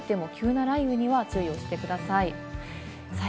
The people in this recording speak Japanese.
晴れていても急な雷雨には注意をしてください。